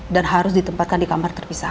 dan harus ditempatkan di kamar terpisah